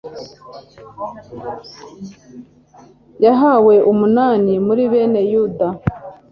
yahawe umunani muri bene yuda